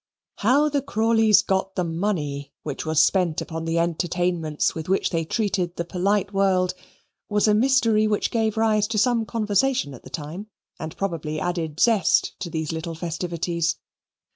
How the Crawleys got the money which was spent upon the entertainments with which they treated the polite world was a mystery which gave rise to some conversation at the time, and probably added zest to these little festivities.